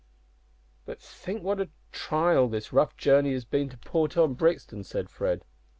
"But think what a trial this rough journey has been to poor Tom Brixton," said Fred.